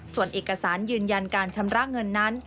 ส่วนเอกสารยืนยันการชำระเงินนั้น